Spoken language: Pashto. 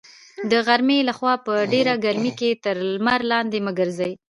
د غرمې لخوا په ډېره ګرمۍ کې تر لمر لاندې مه ګرځئ.